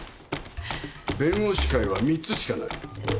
弁護士会は三つしかない。